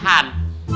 bukan ada bahan